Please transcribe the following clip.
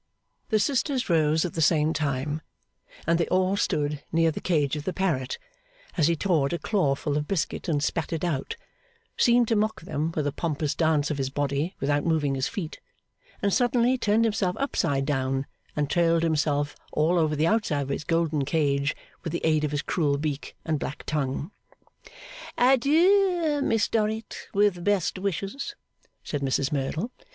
The sisters rose at the same time, and they all stood near the cage of the parrot, as he tore at a claw full of biscuit and spat it out, seemed to mock them with a pompous dance of his body without moving his feet, and suddenly turned himself upside down and trailed himself all over the outside of his golden cage, with the aid of his cruel beak and black tongue. 'Adieu, Miss Dorrit, with best wishes,' said Mrs Merdle.